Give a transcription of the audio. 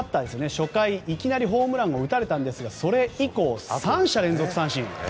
初回にいきなりヒットを打たれたんですがそれ以降、３者連続三振。